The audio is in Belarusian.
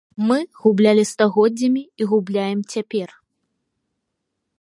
Мы гублялі стагоддзямі і губляем цяпер.